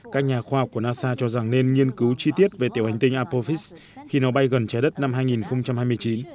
các nhà khoa học của nasa cho rằng nên nghiên cứu chi tiết về tiểu hành tinh apophis khi nó bay gần trái đất năm hai nghìn hai mươi chín